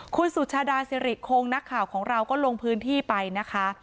คุณสุชาดาสิริคงนักข่าวของเราก็ลงพื้นที่ไปนะคะ